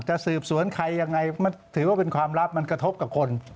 จะสืบสวนใครยังไงมันถือว่าเป็นความลับมันกระทบกับคน